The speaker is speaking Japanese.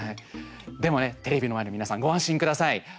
でも、テレビの前の皆さんご安心ください。